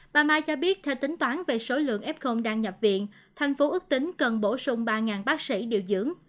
bà mai cho biết theo tính toán về số lượng f đang nhập viện thành phố ước tính cần bổ sung ba bác sĩ điều dưỡng